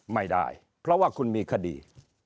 ไม่ได้เพราะว่าคุณมีคดี